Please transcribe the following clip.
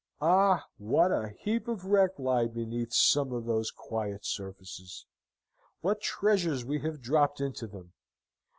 Ah! what a heap of wreck lie beneath some of those quiet surfaces! What treasures we have dropped into them!